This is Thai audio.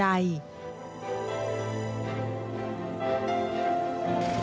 สถานีการหรวบบุตรของชาวบ้าน